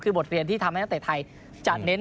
คือบทเรียนที่ทำให้นักเตะไทยจะเน้น